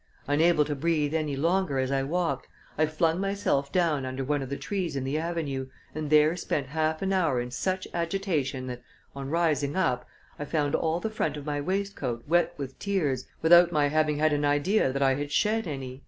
Unable to breathe any longer as I walked, I flung myself down under one of the trees in the avenue, and there spent half an hour in such agitation that, on rising up, I found all the front of my waistcoat wet with tears without my having had an idea that I had shed any."